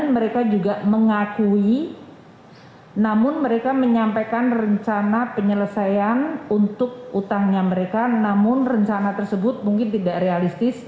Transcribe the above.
mereka menyampaikan rencana penyelesaian untuk utangnya mereka namun rencana tersebut mungkin tidak realistis